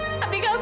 alena bukan kan